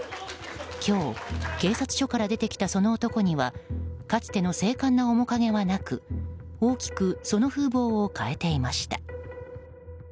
今日、警察署から出てきたその男にはかつての精悍な面影はなく大きくその風貌を変えていました。